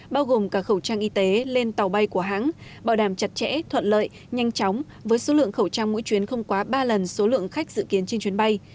bao gồm cả khẩu trang y tế lên tàu bay của hãng bảo đảm chặt chẽ thuận lợi nhanh chóng với số lượng khẩu trang mỗi chuyến không quá ba lần số lượng khách dự kiến trên chuyến bay